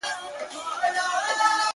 د زړگي شال دي زما پر سر باندي راوغوړوه.